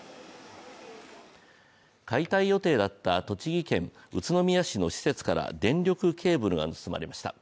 解体予定だった栃木県宇都宮市の施設から電力ケーブルが盗まれました。